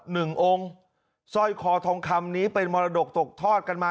หนึ่งองค์สร้อยคอทองคำนี้เป็นมรดกตกทอดกันมา